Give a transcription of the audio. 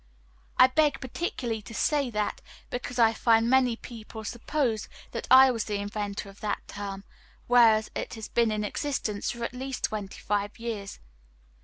I beg particularly to say that, because I find many people suppose that I was the inventor of that term, whereas it has been in existence for at least twenty five years.